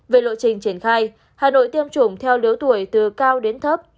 về lộ trình triển khai hà nội tiêm chủng theo lứa tuổi từ cao đến thấp